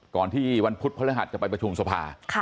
ก่อนที่วันพุธพฤหัสจะไปประชุมสภา